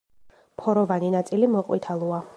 ფოროვანი ნაწილი მოყვითალოა.